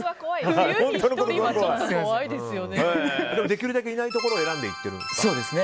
できるだけいないところを選んで行ってるんですか？